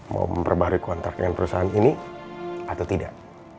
mau memperbaharui kontrak dengan perusahaan ini atau tidak